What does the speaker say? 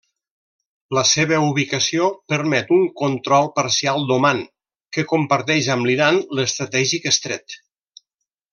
La seva ubicació permet un control parcial d'Oman, que comparteix amb l'Iran, l'estratègic estret.